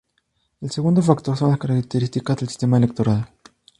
El segundo factor son las características del sistema electoral.